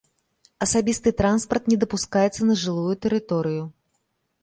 Асабісты транспарт не дапускаецца на жылую тэрыторыю.